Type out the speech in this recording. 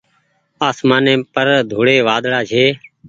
آسمآني پر ڍوڙي وآۮڙآ ڇي۔